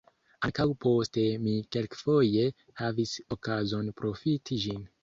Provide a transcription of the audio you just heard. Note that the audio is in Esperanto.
Ankaŭ poste mi kelkfoje havis okazon profiti ĝin.